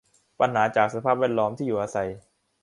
ปัญหาจากสภาพแวดล้อมที่อยู่อาศัย